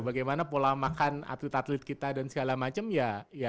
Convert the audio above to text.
bagaimana pola makan atlet atlet kita dan segala macam ya